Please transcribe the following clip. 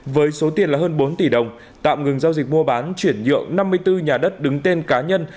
với số tiền là hơn bốn tỷ đồng tạm ngừng giao dịch mua bán chuyển nhượng năm mươi bốn nhà đất đứng tên cá nhân